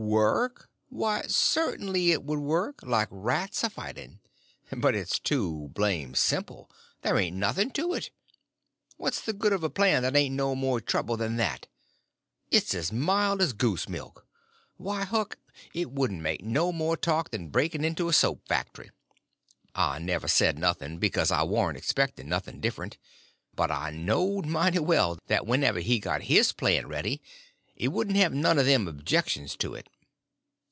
"Work? Why, cert'nly it would work, like rats a fighting. But it's too blame' simple; there ain't nothing to it. What's the good of a plan that ain't no more trouble than that? It's as mild as goose milk. Why, Huck, it wouldn't make no more talk than breaking into a soap factory." I never said nothing, because I warn't expecting nothing different; but I knowed mighty well that whenever he got his plan ready it wouldn't have none of them objections to it.